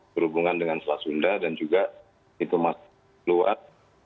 berhubungan dengan selat sunda dan juga pintu masuk dan pintu keluar